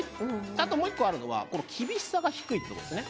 あともう一個あるのはこの厳しさが低いってとこですね